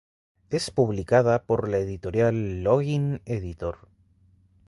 Es publicada por la editorial: Login Editor.